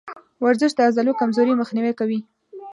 ورزش د عضلو کمزوري مخنیوی کوي.